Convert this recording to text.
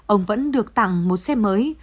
ông vẫn được tặng một xe mới